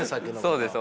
そうです。